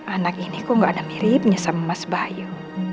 anak ini kok gak ada miripnya sama mas bayu